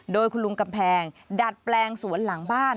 โดยคุณลุงกำแพงดัดแปลงสวนหลังบ้าน